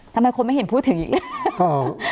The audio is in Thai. ทำไมคนไม่เห็นพูดถึงอีก